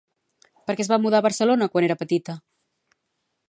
Per què es va mudar a Barcelona quan era petita?